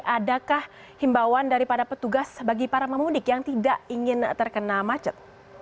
adakah himbauan daripada petugas bagi para pemudik yang tidak ingin terkena macet